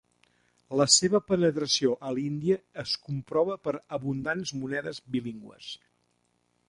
La seva penetració a l'Índia es comprova per abundants monedes bilingües.